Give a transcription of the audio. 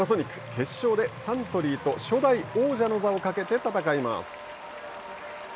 決勝でサントリーと初代王者の座をかけて戦います。